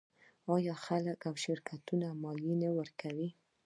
آیا خلک او شرکتونه مالیه نه ورکوي؟